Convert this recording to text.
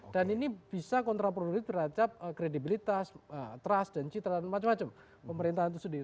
dan ini bisa kontraproduktif berlacak kredibilitas trust dan citra dan macam macam pemerintahan itu sendiri